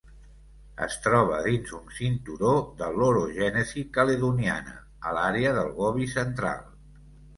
Es troba dins un cinturó de l'orogènesi caledoniana, a l'àrea del Gobi Central.